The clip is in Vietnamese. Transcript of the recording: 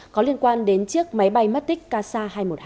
có liên quan đến chiếc máy bay mất tích ksa hai trăm một mươi hai